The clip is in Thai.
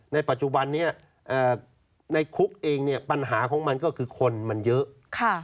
ในปัจจุบันนี้ในคุกเองเนี่ยปัญหาของมันก็คือคนมันเยอะ